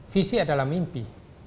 visi adalah mimpi